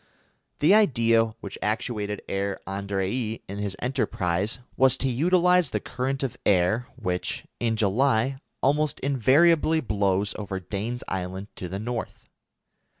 The idea which actuated Herr Andrée in his enterprise was to utilise the current of air which, in July, almost invariably blows over Dane's Island to the North.